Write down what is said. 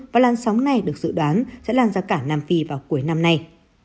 và làn sóng này được dự đoán sẽ lan ra cả nam phi vào cuối năm nay